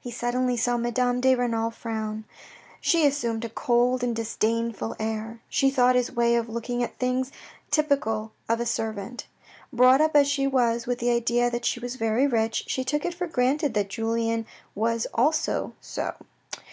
He suddenly saw Madame de Renal frown. She assumed a cold and disdainful air. She thought his way of looking at things typical of a servant. Brought up as she was with the idea that she was very rich, she took it for granted that Julien was so also.